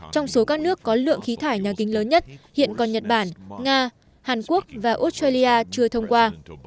trong số các nước có lượng khí thải nhà kính lớn nhất hiện còn nhật bản nga hàn quốc và australia chưa thông qua